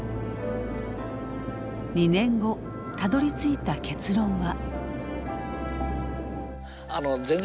２年後たどりついた結論は。